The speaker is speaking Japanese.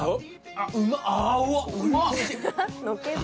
あぁうまっ。